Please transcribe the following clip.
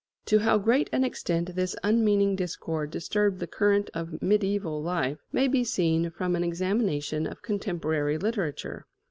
To how great an extent this unmeaning discord disturbed the current of mediæval life may be seen from an examination of contemporary literature.